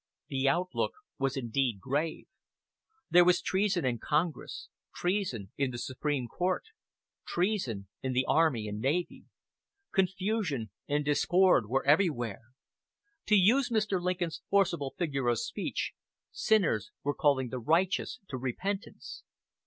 The outlook was indeed grave. There was treason in Congress, treason in the Supreme Court, treason in the army and navy. Confusion and discord were everywhere. To use Mr. Lincoln's forcible figure of speech, sinners were calling the righteous to repentance.